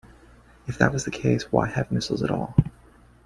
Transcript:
If that was the case, why have missiles at all?